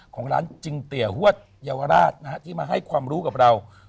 ของร้านจริงเตียฮวดเยาวราชนะฮะที่มาให้ความรู้กับเรา